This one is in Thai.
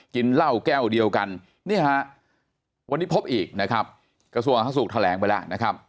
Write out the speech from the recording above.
กินเหล้าแก้วเดียวกันนี่ฮะวันนี้พบอีกนะครับกระทรวงอาหารสุขแถลงไปแล้วนะครับ